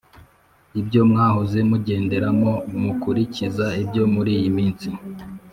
Ibyo mwahoze mugenderamo mukurikiza ibyo muri iyi si